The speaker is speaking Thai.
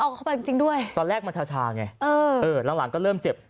เอาเข้าไปจริงจริงด้วยตอนแรกมันชาชาไงเออเออหลังหลังก็เริ่มเจ็บ